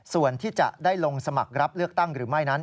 ส่วนที่จะได้ลงสมัครรับเลือกตั้งหรือไม่นั้น